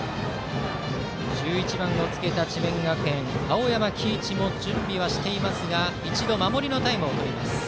１１番をつけた智弁学園の青山輝市も準備はしていますが一度、守りのタイムをとります。